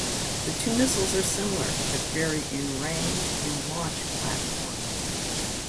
The two missiles are similar, but vary in range and launch platform.